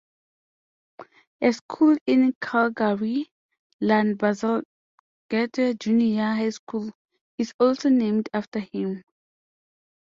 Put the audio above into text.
A school in Calgary, Ian Bazalgette Junior High School, is also named after him.